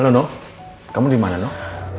halo noh kamu dimana noh